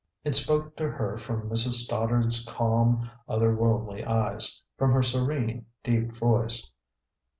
It spoke to her from Mrs. Stoddard's calm, other worldly eyes, from her serene, deep voice.